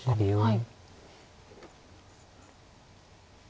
はい。